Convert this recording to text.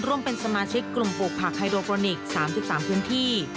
ร่วมเป็นสมาชิกกลุ่มปลูกผักไฮโดโปรนิกส์๓๓พื้นที่